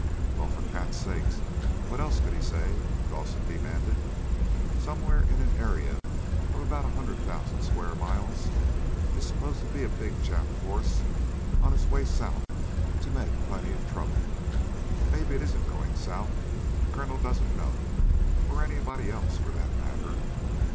"Well, for cat's sake, what else could he say?" Dawson demanded. "Somewhere in an area of about a hundred thousand square miles is supposed to be a big Jap force on its way south to make plenty of trouble. Maybe it isn't going south. The colonel doesn't know. Or anybody else, for that matter.